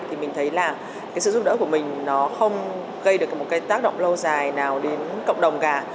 thì mình thấy là cái sự giúp đỡ của mình nó không gây được một cái tác động lâu dài nào đến cộng đồng cả